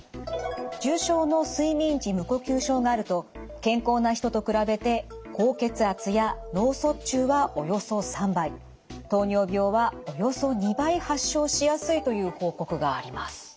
重症の睡眠時無呼吸症があると健康な人と比べて高血圧や脳卒中はおよそ３倍糖尿病はおよそ２倍発症しやすいという報告があります。